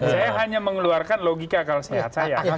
saya hanya mengeluarkan logika akal sehat saya